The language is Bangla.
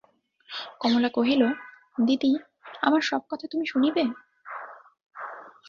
কমলা কহিল, দিদি, আমার সব কথা তুমি শুনিবে?